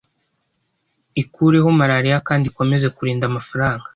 ikureho malariya kandi ukomeze kurinda amafaranga.